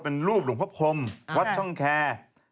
เป็นรูปหลวงพบคมวัดช่องแค่